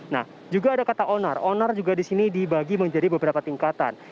nah juga ada kata onar onar juga di sini dibagi menjadi beberapa tingkatan